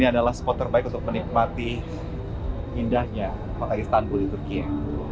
ini adalah spot terbaik untuk menikmati indahnya kota istanbul di turkiye